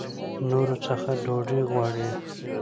نورو څخه ډوډۍ غواړي.